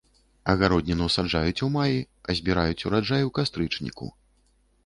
Агародніну саджаюць у маі, а збіраюць ураджай у кастрычніку.